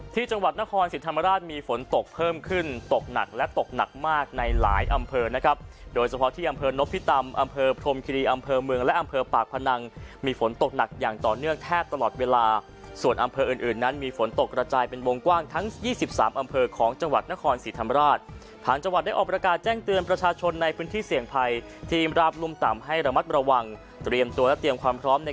ที่จังหวัดนครสิทธิ์ธรรมราชมีฝนตกเพิ่มขึ้นตกหนักและตกหนักมากในหลายอำเภอนะครับโดยเฉพาะที่อำเภอนพิตามอำเภอพรมคิรีอำเภอเมืองและอำเภอปากพนังมีฝนตกหนักอย่างต่อเนื่องแทบตลอดเวลาส่วนอำเภออื่นนั้นมีฝนตกระจายเป็นวงกว้างทั้ง๒๓อำเภอของจังหวัดนครสิทธิ์ธรรมรา